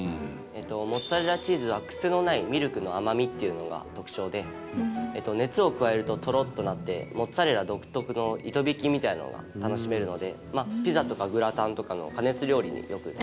モッツァレラチーズはクセのないミルクの甘みっていうのが特徴で熱を加えるとトロッとなってモッツァレラ独特の糸引きみたいのが楽しめるのでまあピザとかグラタンとかの加熱料理によく使われてます。